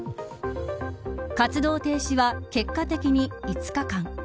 活動停止は結果的に５日間。